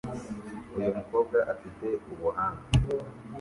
Uyu mukobwa afite ubuhanga